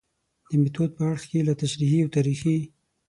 د میتود په اړخ کې له تشریحي او تاریخي